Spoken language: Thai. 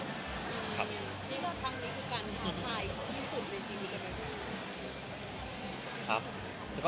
คัยมานี้คุณทั้งที่คุยกันกันกันที่สุดค่ะ